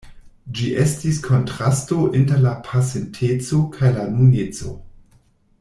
Ĝi estis kontrasto inter la pasinteco kaj la nuneco.